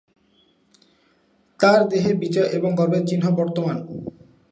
তার দেহে বিজয় এবং গর্বের চিহ্ন বর্তমান।